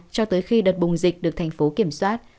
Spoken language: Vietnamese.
cho tới khi đợt bùng dịch được thành phố kiểm soát